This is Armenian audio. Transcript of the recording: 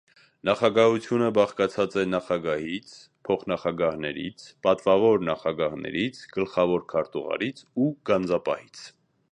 Նախագահությունը բաղկացած է նախագահից, փոխնախագահներից, պատվավոր նախագահներից, գլխավոր քարտուղարից ու գանձապահից։